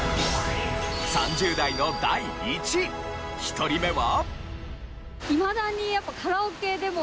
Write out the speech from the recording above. ３０代の第１位１人目は。